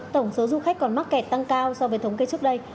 tổng số du khách còn mắc kẹt tăng cao so với thống kê trước đây